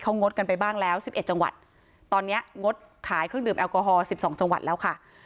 เขางดกันไปบ้างแล้วสิบเอ็ดจังหวัดตอนเนี้ยงดขายเครื่องดื่มแอลกอฮอล์สิบสองจังหวัดแล้วค่ะ